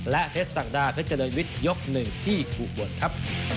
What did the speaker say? และเพชรศักดาเพชรเจริญวิทยก๑ที่อุบลครับ